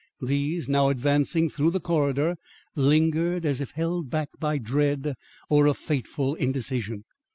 These, now advancing through the corridor, lingered as if held back by dread or a fateful indecision.